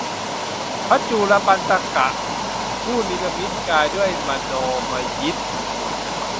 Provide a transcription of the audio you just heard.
พระจูฬปันถกะ ผู้เนรมิตกายด้วยมโนมยิทธิ